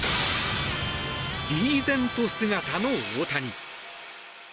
リーゼント姿の大谷。